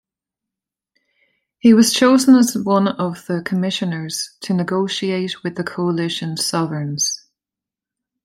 He was chosen as one of the commissioners to negotiate with the Coalition sovereigns.